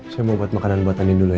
saya mau buat makanan buat andien dulu ya